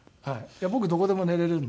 僕どこでも寝れるんで。